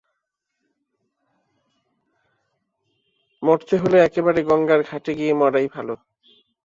মরতে হলে একবারে গঙ্গার ঘাটে গিয়ে মরাই ভালো।